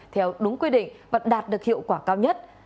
theo đúng quy định và đạt được hiệu quả cao nhất